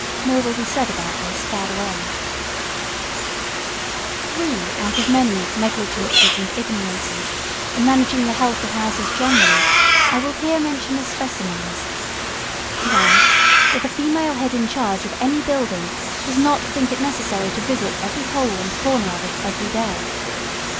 More will be said about this farther on. [Sidenote: Three common errors in managing the health of houses.] Three out of many "negligences, and ignorances" in managing the health of houses generally, I will here mention as specimens 1. That the female head in charge of any building does not think it necessary to visit every hole and corner of it every day.